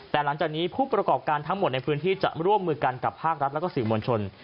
แต่หลังจากนี้ผู้ประกอบการทั้งหมดในพื้นที่จะร่วมมือกันกับภาครัฐและก็สื่อมวลชน